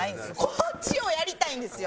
こっちをやりたいんですよ。